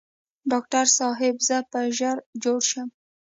ډاکټر صاحب زه به ژر جوړ شم؟